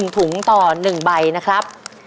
ถุงต่อ๑ใบนะครับ